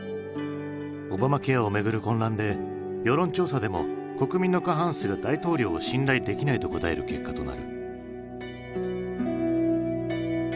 オバマケアをめぐる混乱で世論調査でも国民の過半数が大統領を信頼できないと答える結果となる。